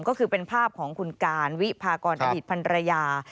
ก็คือเป็นภาพของคุณการวิพากรอดีตพันรยา